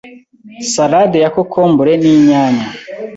Salade ya cocombre n’inyanya